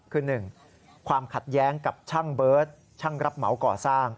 คือ๑ความขัดแย้งกับช่างเบิร์ตช่างรับเหมาก่อสร้าง